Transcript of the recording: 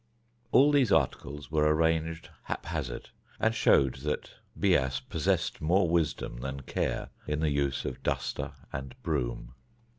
All these articles were arranged haphazard, and showed that Bias possessed more wisdom than care in the use of duster and broom.